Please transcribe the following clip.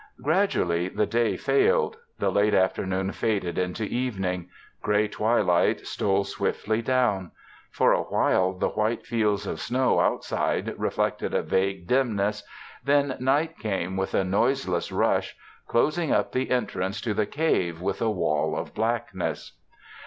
Gradually the day failed. The late afternoon faded into evening. Gray twilight stole swiftly down. For a while the white fields of snow outside reflected a vague dimness; then night came with a noiseless rush, closing up the entrance to the cave with a wall of blackness.